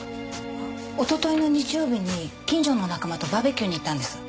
おとといの日曜日に近所の仲間とバーベキューに行ったんです。